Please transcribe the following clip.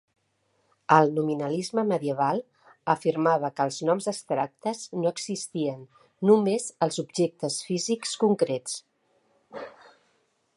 El nominalisme medieval afirmava que els noms abstractes no existien, només els objectes físics concrets.